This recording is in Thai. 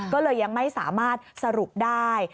ก็เลยยังไม่สามารถสรุปได้